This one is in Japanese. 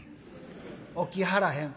「起きはらへん」。